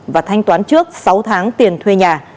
và thanh toán trước sáu tháng tiền thuê nhà